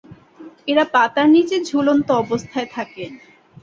এরা পাতার নিচে ঝুলন্ত অবস্থায় থাকে।